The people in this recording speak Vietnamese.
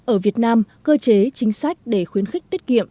ở việt nam cơ chế chính sách để khuyến khích tiết kiệm